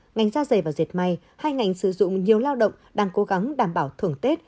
ngành da dày và dệt may hai ngành sử dụng nhiều lao động đang cố gắng đảm bảo thường tết